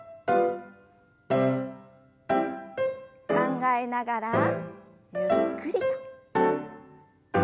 考えながらゆっくりと。